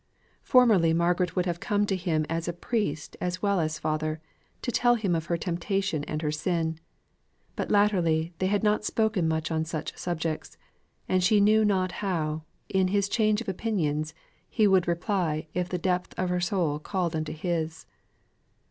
Formerly Margaret would have come to him as priest as well as father, to tell him of her temptation and her sin; but latterly they had not spoken much on such subjects; and she knew not how, in his change of opinions, he would reply if the depth of her soul called unto his.